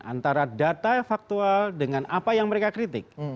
antara data faktual dengan apa yang mereka kritik